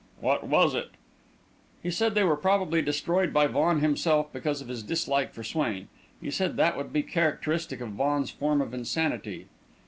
"What was it?" "He said they were probably destroyed by Vaughan himself, because of his dislike of Swain. He said that would be characteristic of Vaughan's form of insanity."